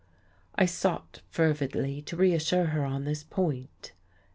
I sought fervidly to reassure her on this point....